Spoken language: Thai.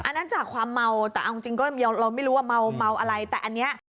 อันนั้นจากความเมาแต่เอาจริงก็เราไม่รู้ว่าเมาอะไรแต่อันนี้